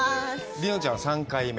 梨乃ちゃんは３回目？